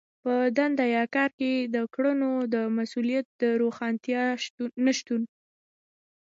په دنده يا کار کې د کړنو د مسوليت د روښانتيا نشتون.